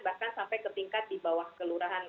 bahkan sampai ke tingkat di bawah kelurahan